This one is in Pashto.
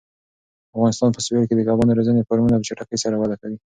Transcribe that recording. د افغانستان په سویل کې د کبانو روزنې فارمونه په چټکۍ سره وده کوي.